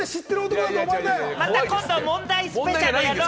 また今度、問題スペシャルやろう！